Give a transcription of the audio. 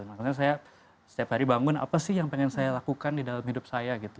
makanya saya setiap hari bangun apa sih yang pengen saya lakukan di dalam hidup saya gitu